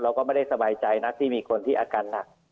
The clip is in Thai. เราก็ไม่ได้สบายใจนะที่มีคนที่อากัน